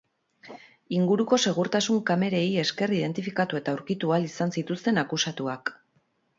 Inguruko segurtasun-kamerei esker identifikatu eta aurkitu ahal izan zituzten akusatuak.